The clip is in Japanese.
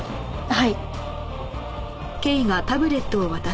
はい。